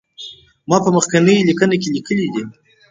ما په مخکینی لیکنه کې لیکلي دي.